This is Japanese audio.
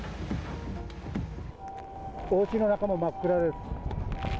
おうちの中も真っ暗です。